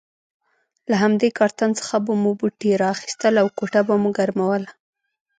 له همدې کارتن څخه به مو بوټي را اخیستل او کوټه به مو ګرموله.